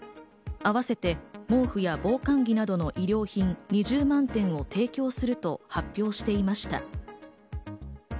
あわせて毛布や防寒着などの衣料品２０万点を提供すると発表していました。